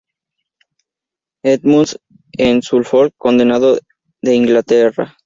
Edmunds, en Suffolk, condado de Inglaterra.